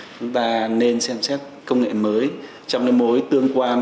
chúng ta nên xem xét công nghệ mới trong cái mối tương quan